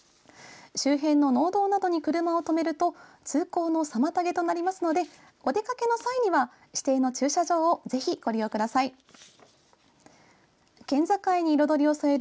周辺の農道などに車を止めると通行の妨げとなりますのでお出かけの際には指定の駐車場をご利用ください。